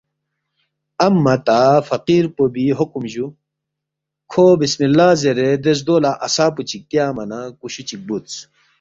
امّہ تا فقیر پو بی حکم جُو، کھو بسم اللّٰہ زیرے دے زدو لہ عصا پو چِک تیانگما نہ کُشُو چِک بُودس